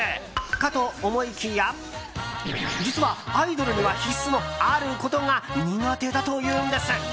かと思いきや実は、アイドルには必須のあることが苦手だというんです。